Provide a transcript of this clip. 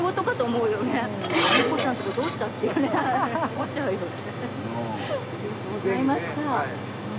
思っちゃうよね。